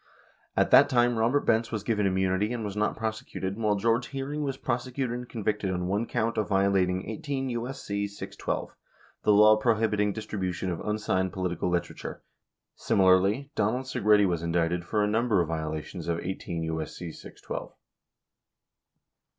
At that time, Robert Benz was given immunity and was not prosecuted, while George Hearing was prosecuted and convicted on one count of violating 18 U.S.C. 612, the law prohibiting distribution of unsigned political literature. Similarly, Donald Segretti was indicted for a number of violations of 18 U.S.C. 612.